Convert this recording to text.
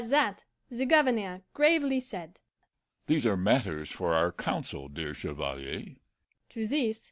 "At that the Governor gravely said, 'These are matters for our Council, dear Chevalier.